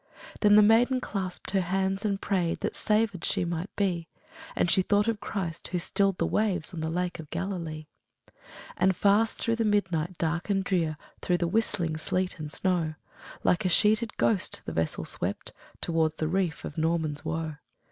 Then the maiden clasped her hands and prayed That savèd she might be; And she thought of Christ, who stilled the waves On the Lake of Galilee. And fast through the midnight dark and drear, Through the whistling sleet and snow, Like a sheeted ghost, the vessel swept Towards the reef of Norman's Woe.